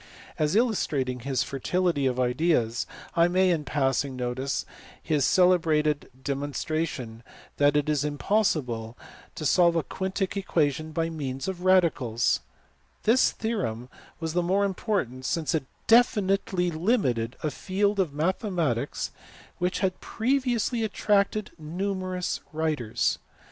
As illustrating his fertility of ideas I may in passing notice his celebrated demon stration that it is impossible to solve a quiutic equation by means of radicals ; this theorem was the more important since it definitely limited a field of mathematics which had pre viously attracted numerous writers.